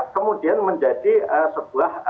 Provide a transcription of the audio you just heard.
kemudian menjadi sebuah